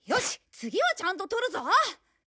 次はちゃんと撮るぞ！